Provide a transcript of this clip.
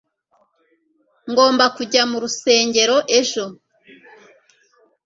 Ngomba kujya mu rusengero ejo